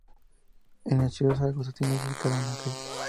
En la ciudad de Zaragoza tiene dedicada una calle.